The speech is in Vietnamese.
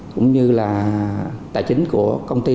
cũng như là tài chính của công ty